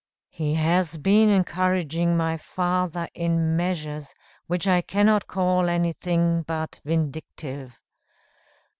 He has been encouraging my father in measures which I cannot call anything but vindictive.